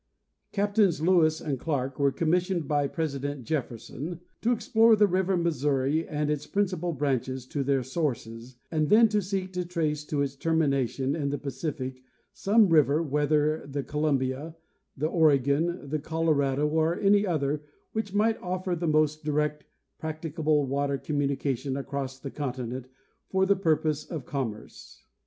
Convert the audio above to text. Captains Lewis and Clarke were commissioned by President Jefferson 'to explore the river Missouri and its principal branches to their sources, and then to seek to trace to its termi nation in the Pacific some river, whether the Columbia, the Oregon, the Colorado or any other, which might offer the most direct, practicable water communication across the continent for the purposes of commerce."